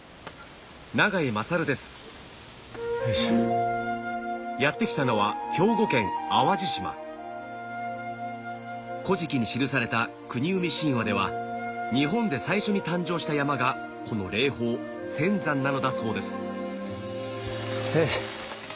永井大ですやって来たのは兵庫県淡路島『古事記』に記された国生み神話では日本で最初に誕生した山がこの霊峰先山なのだそうですよいしょ。